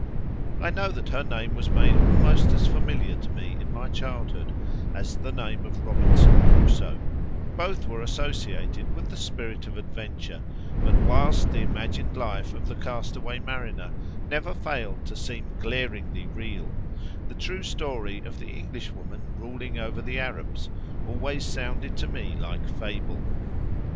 I know that her name was made almost as familiar to me in my childhood as the name of Robinson Crusoe—both were associated with the spirit of adventure; but whilst the imagined life of the cast away mariner never failed to seem glaringly real, the true story of the Englishwoman ruling over Arabs always sounded to me like fable.